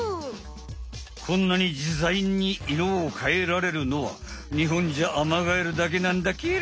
こんなにじざいに色を変えられるのはにほんじゃアマガエルだけなんだケロ。